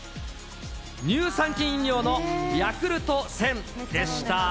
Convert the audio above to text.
乳酸菌飲料のヤクルト１０００でした。